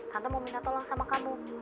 tante mau minta tolong sama kamu